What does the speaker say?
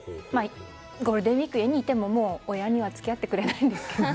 ゴールデンウィークで家にいても親には付き合ってくれないんですけど。